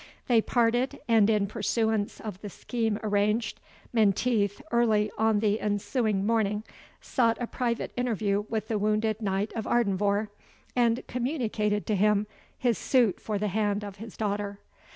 They parted, and in pursuance of the scheme arranged, Menteith, early on the ensuing morning, sought a private interview with the wounded Knight of Ardenvohr, and communicated to him his suit for the hand of his daughter.